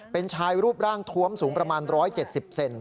เป็นชายรูปร่างทวมสูงประมาณ๑๗๐เซน